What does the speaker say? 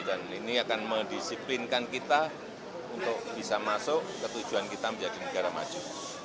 dan ini akan mendisiplinkan kita untuk bisa masuk ke tujuan kita menjadi negara maju